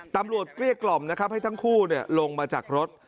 ตำรวจเรียกกล่อมนะครับให้ทั้งคู่เนี่ยลงมาจากรถ